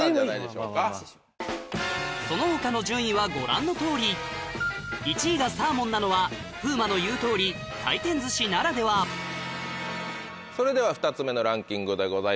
その他の順位はご覧のとおり１位がサーモンなのは風磨の言うとおり回転寿司ならではそれでは２つ目のランキングでございます。